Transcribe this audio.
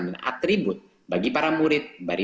dan atribut bagi para murid